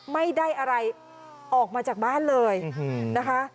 ไม่ได้อะไรออกมาจากบ้านเลยนะคะ